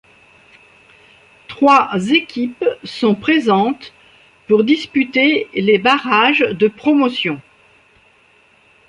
Trois équipes sont présentes pour disputer les barrages de promotion.